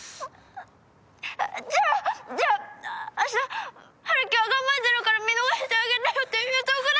じゃあじゃあ明日ハルキは頑張ってるから見逃してあげてよって言っとくね。